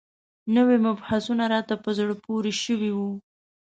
نوي مبحثونه راته په زړه پورې شوي وو.